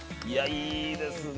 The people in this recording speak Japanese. いいですね。